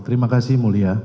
terima kasih mulia